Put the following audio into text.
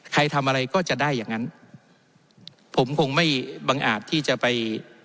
ใครทำอะไรก็จะได้อย่างนั้นผมคงไม่บังอาจที่จะไป